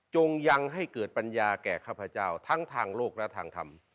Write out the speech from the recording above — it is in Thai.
ยังให้เกิดปัญญาแก่ข้าพเจ้าทั้งทางโลกและทางธรรม